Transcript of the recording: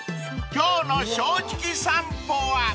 ［今日の『正直さんぽ』は］